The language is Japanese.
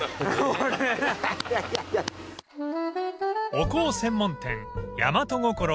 ［お香専門店］